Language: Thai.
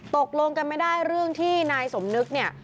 ตกลงกันไม่ได้เรื่องที่นายสมนึกเนี่ย